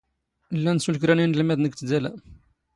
ⵍⵍⴰⵏ ⵙⵓⵍ ⴽⵔⴰ ⵏ ⵉⵏⵍⵎⴰⴷⵏ ⴳ ⵜⴷⴰⵍⴰ.